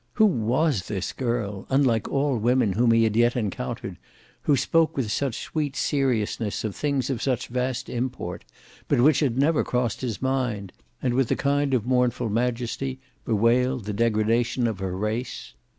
Who was this girl, unlike all women whom he had yet encountered, who spoke with such sweet seriousness of things of such vast import, but which had never crossed his mind, and with a kind of mournful majesty bewailed the degradation of her race?